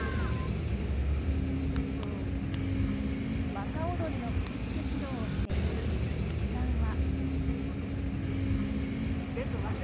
馬鹿踊りの振り付け指導をしている菊池さんは。